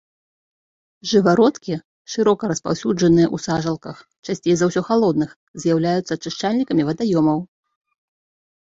Жывародкі шырока распаўсюджаныя ў сажалках, часцей за ўсё халодных, з'яўляюцца ачышчальнікамі вадаёмаў.